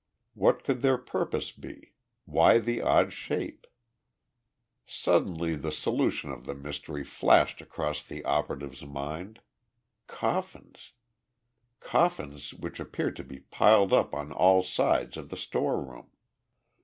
What could their purpose be? Why the odd shape? Suddenly the solution of the mystery flashed across the operative's mind coffins! Coffins which appeared to be piled up on all sides of the storeroom.